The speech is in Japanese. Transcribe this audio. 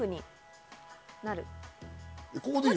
ここでいいの？